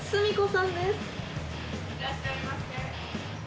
いらっしゃいませ。